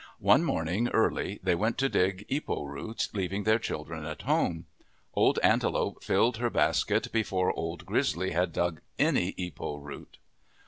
One morning early they went to dig ipo roots, leaving their children at home. Old Antelope filled her basket before Old Grizzly had dug any ipo root.